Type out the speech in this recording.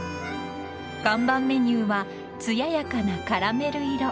［看板メニューは艶やかなカラメル色］